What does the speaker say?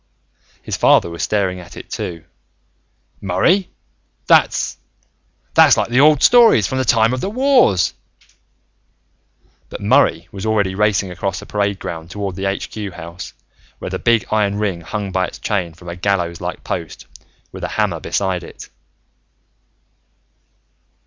His father was staring at it, too. "Murray! That's ... that's like the old stories from the time of the wars!" But Murray was already racing across the parade ground toward the Aitch Cue House, where the big iron ring hung by its chain from a gallows like post, with a hammer beside it.